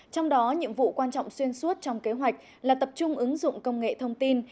trong đó nhiệm vụ quan trọng xuyên suốt trong kế hoạch là tập trung ứng dụng công nghệ thông tin